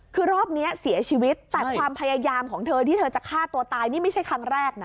คือรอบนี้เสียชีวิตแต่ความพยายามของเธอที่เธอจะฆ่าตัวตายนี่ไม่ใช่ครั้งแรกนะ